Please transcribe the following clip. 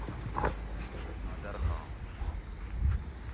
نادر خان